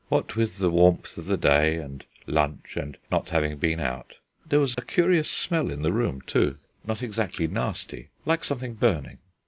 What with the warmth of the day, and lunch, and not having been out.... There was a curious smell in the room, too, not exactly nasty, like something burning.